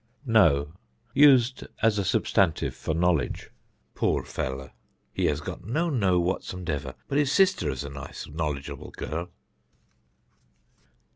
Know (Used as a substantive for knowledge): "Poor fellow, he has got no know whatsumdever, but his sister's a nice knowledgeable girl."